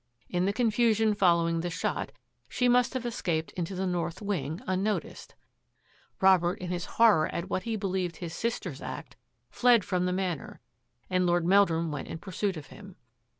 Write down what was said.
In the confusion following the shot she must have escaped into the north wing, unnoticed. Robert, in his horror at what he believed his sister's act, fled from the Manor, and Lord Meldrum went in pursuit of him.